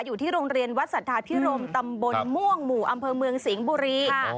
อยู่ที่โรงเรียนวัดสัทธาพิรมตำบลม่วงหมู่อำเภอเมืองสิงห์บุรี